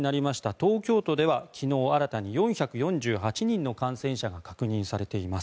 東京都では昨日新たに４４８人の感染者が感染者が確認されています。